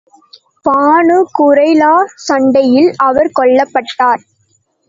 Banu Qurayza சண்டையில் அவர் கொல்லப்பட்டார்.